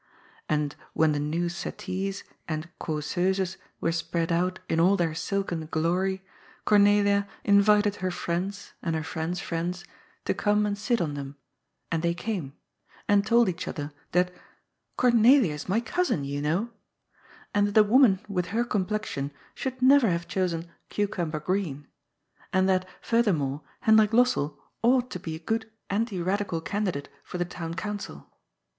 And, when the new settees and " cau seuses " were spread out in all their silken glory, Cornelia invited her friends and her friends' friends to come and sit on them, and they came, and told each other that " Cornelia is my cousin, you know," and that a woman with her complexion should never have chosen cucumber green, and that, furthermore, Hendrik Lossell ought to be a good anti Radical candidate for the Town Council.